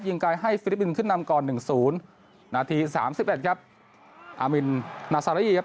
ไกลให้ฟิลิปปินส์ขึ้นนำก่อนหนึ่งศูนย์นาทีสามสิบเอ็ดครับอามินนาซารี่ครับ